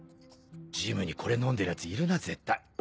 ジムにこれ飲んでるヤツいるな絶対。